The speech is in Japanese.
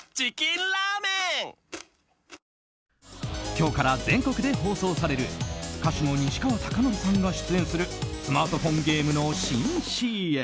今日から全国で放送される歌手の西川貴教さんが出演するスマートフォンゲームの新ＣＭ。